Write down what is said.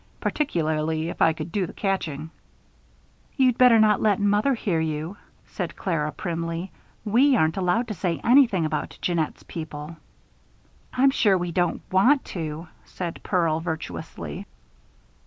Particularly, if I could do the catching." "You'd better not let mother hear you," said Clara, primly. "We aren't allowed to say anything about Jeannette's people." "I'm sure we don't want to," said Pearl, virtuously.